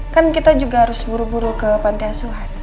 kan kita juga harus buru buru ke pantai asuhan